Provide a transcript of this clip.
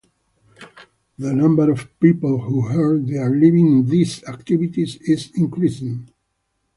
The number of people who earn their living in these activities is increasing.